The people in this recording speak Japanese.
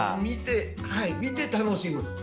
見て楽しむ。